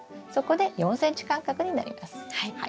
そこで４ｃｍ間隔になります。